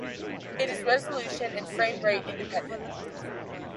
It is resolution and frame rate independent.